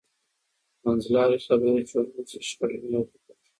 منځلارې خبرې چې ومنل شي، شخړې نه اوږدېږي.